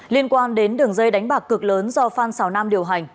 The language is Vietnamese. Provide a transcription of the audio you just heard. liên quan đến đường dây đánh bạc cực lớn do phan xào nam điều hành